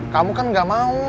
kamu kan gak mau